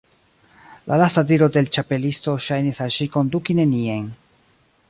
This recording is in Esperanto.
La lasta diro de l' Ĉapelisto ŝajnis al ŝi konduki nenien.